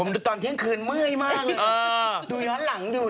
นั่นต้องหันหลังดู